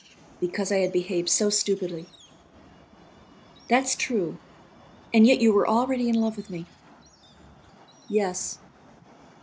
"Because I had behaved so stupidly." "That's true. And yet you were already in love with me." "Yes."